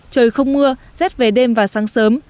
trời không mưa rét về đêm và sáng sớm